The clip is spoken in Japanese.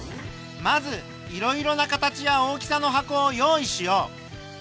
まずいろいろな形や大きさの箱を用意しよう。